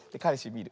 みる。